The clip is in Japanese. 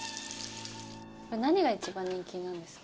何が一番人気なんですか？